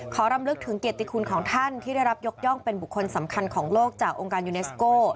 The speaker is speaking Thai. รำลึกถึงเกียรติคุณของท่านที่ได้รับยกย่องเป็นบุคคลสำคัญของโลกจากองค์การยูเนสโก้